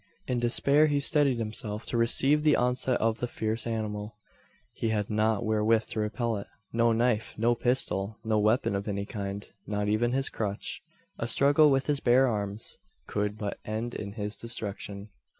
In despair he steadied himself to receive the onset of the fierce animal. He had nought wherewith to repel it no knife no pistol no weapon of any kind not even his crutch! A struggle with his bare arms could but end in his destruction.